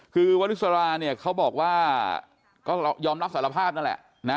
คือวริสราเนี่ยเขาบอกว่าก็ยอมรับสารภาพนั่นแหละนะ